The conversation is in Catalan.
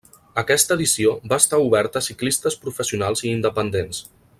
Aquesta edició va estar oberta a ciclistes professionals i independents.